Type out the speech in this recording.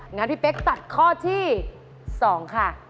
งั้นพี่เป๊กตัดข้อที่๒ค่ะ